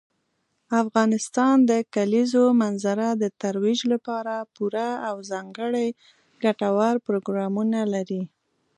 افغانستان د کلیزو منظره د ترویج لپاره پوره او ځانګړي ګټور پروګرامونه لري.